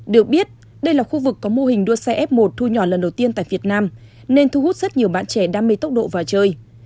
được biết đây là khu vực có mô hình đua xe f một thu nhỏ lần đầu tiên tại việt nam nên thu hút rất nhiều bạn trẻ đam mê tốc độ vào chơi